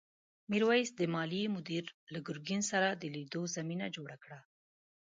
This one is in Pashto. میرويس د مالیې مدیر له ګرګین سره د لیدو زمینه جوړه کړه.